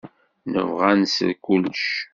Nebɣa ad nsel kullec.